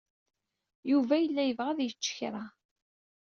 Yuba yella yebɣa ad yečč kra.